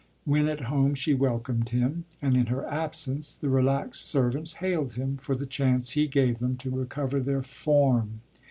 When at home she welcomed him, and in her absence the relaxed servants hailed him for the chance he gave them to recover their "form."